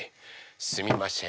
すみません